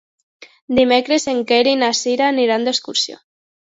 Dimecres en Quer i na Cira aniran d'excursió.